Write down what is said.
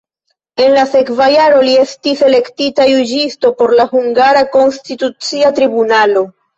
En la sekva jaro li estis elektita juĝisto por la hungara konstitucia tribunalo.